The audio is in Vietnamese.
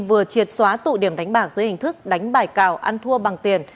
vừa triệt xóa tụ điểm đánh bạc dưới hình thức đánh bài cào ăn thua bằng tiền